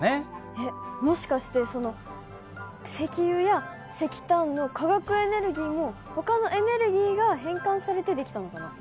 えっもしかしてその石油や石炭の化学エネルギーもほかのエネルギーが変換されて出来たのかな？